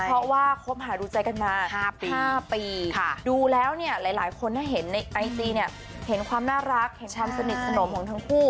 เพราะว่าคบหาดูใจกันมา๕ปีดูแล้วเนี่ยหลายคนเห็นในไอจีเนี่ยเห็นความน่ารักเห็นความสนิทสนมของทั้งคู่